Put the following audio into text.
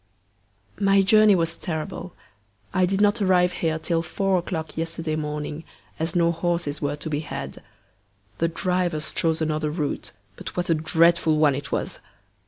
My journey was terrible. I did not arrive here till four o'clock yesterday morning, as no horses were to be had. The drivers chose another route; but what a dreadful one it was!